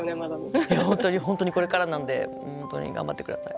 いや本当に本当にこれからなんで本当に頑張って下さい。